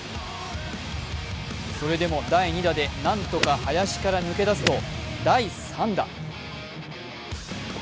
それでも第２打で何とか林から抜け出すと第３打。